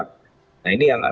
nah ini yang agak